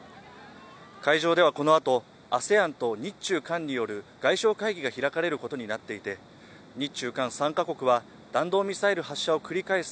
会場ではこのあと、ＡＳＥＡＮと日中韓による外相会議が開かれることになっていて日中韓３か国は弾道ミサイル発射を繰り返す